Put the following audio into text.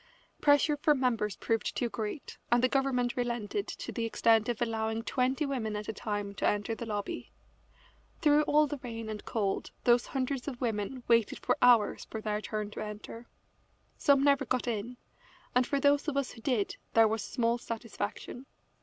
Pressure from members proved too great, and the government relented to the extent of allowing twenty women at a time to enter the lobby. Through all the rain and cold those hundreds of women waited for hours their turn to enter. Some never got in, and for those of us who did there was small satisfaction.